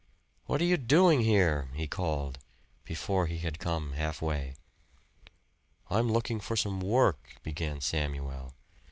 "What are you doing here?" he called, before he had come halfway. "I'm looking for some work," began Samuel.